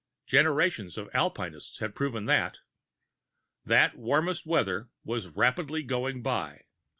Generations of alpinists had proved that. That warmest weather was rapidly going by.